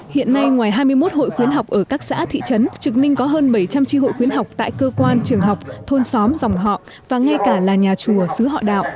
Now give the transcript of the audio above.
hiện nay ngoài hai mươi một hội khuyến học ở các xã thị trấn trực ninh có hơn bảy trăm linh tri hội khuyến học tại cơ quan trường học thôn xóm dòng họ và ngay cả là nhà chùa sứ họ đạo